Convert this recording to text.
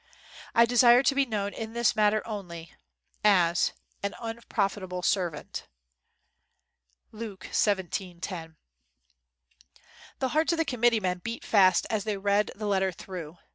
"I desire to be known in this matter only 'An Unprofitable Servant.' (Lukexvii.10)." The hearts of the committeemen beat fast as they read the letter through.